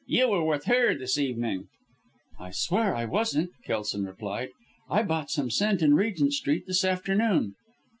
You were with her this evening!" "I swear I wasn't!" Kelson replied. "I bought some scent in Regent Street this afternoon."